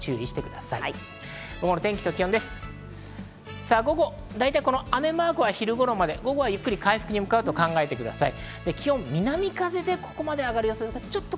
だいたい雨マークは昼頃まで午後はゆっくり回復に向かうと考えてください。